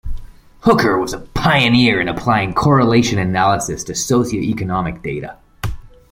Hooker was a pioneer in applying correlation analysis to socio-economic data.